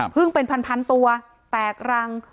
พึ่งเป็นพันตัวแตกรัง